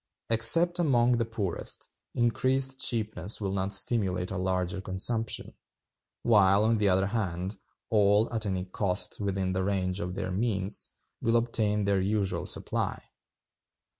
Except among the poorest, increased cheapness will not stimulate a larger consumption; while, on the other hand, all, at any cost within the range of their means, will obtain their usual supply.